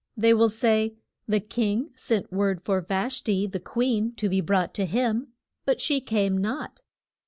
They will say, The king sent word for Vash ti, the queen, to be brought to him, but she came not.